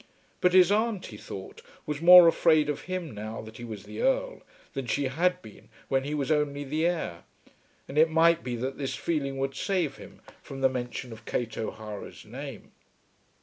But his aunt, he thought, was more afraid of him now that he was the Earl than she had been when he was only the heir; and it might be that this feeling would save him from the mention of Kate O'Hara's name.